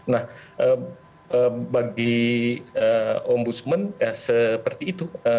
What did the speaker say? nah bagi om busman seperti itu